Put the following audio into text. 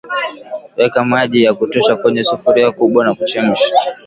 Weka maji ya kutosha kwenye sufuria kubwa na kuchemsha